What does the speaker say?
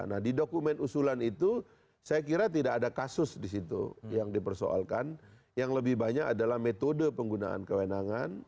nah di dokumen usulan itu saya kira tidak ada kasus di situ yang dipersoalkan yang lebih banyak adalah metode penggunaan kewenangan